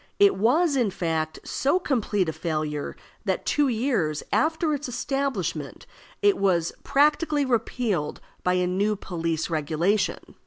It was, in fact, so complete a failure, that two years after its establishment it was practically repealed by a new police regulation.